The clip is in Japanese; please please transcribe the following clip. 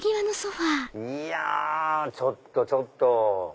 いやちょっとちょっと！